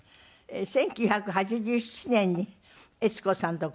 １９８７年に悦子さんとご結婚になりました。